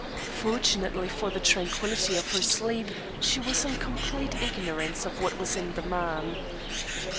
Fortunately for the tranquillity of her sleep, she was in complete ignorance of what was in the man.